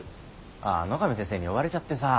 ああ野上先生に呼ばれちゃってさ。